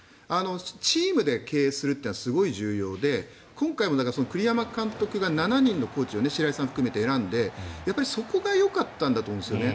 チームで経営するのがすごい重要で、今回も栗山監督が７人のコーチを白井さん含めて選んでそこがよかったんだと思うんですよね。